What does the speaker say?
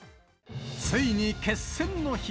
ついに決戦の日。